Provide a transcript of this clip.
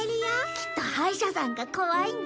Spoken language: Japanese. きっと歯医者さんが怖いんだ。